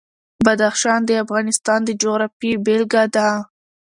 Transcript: بدخشان د افغانستان د جغرافیې بېلګه ده.